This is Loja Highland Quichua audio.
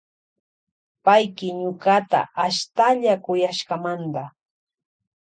Payki ñukata ashtalla kuyashkamanta.